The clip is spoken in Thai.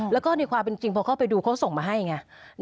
แล้วก็ในความจริงพอเขาไปดูเขาส่งมาให้อย่างนี้